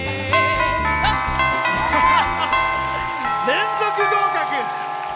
連続合格！